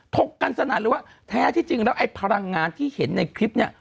กกันสนั่นเลยว่าแท้ที่จริงแล้วไอ้พลังงานที่เห็นในคลิปเนี่ย